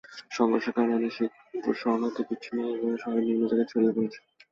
সংঘর্ষের কারণে অনেক শরণার্থী বিচ্ছিন্ন হয়ে পড়ে শহরের বিভিন্ন জায়গায় ছড়িয়ে গেছে।